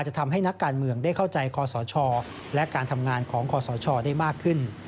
จะทำให้นักการเมืองได้เข้าใจคอสชและการทำงานของคอสชได้มากขึ้น